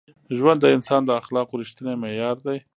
ژوند د انسان د اخلاقو رښتینی معیار دی.